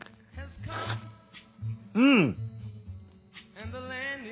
うん！